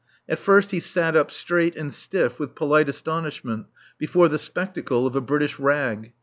At first he sat up straight and stiff with polite astonishment before the spectacle of a British "rag."